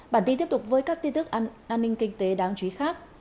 bản tin tiếp tục với các tin tức an ninh kinh tế đáng chú ý khác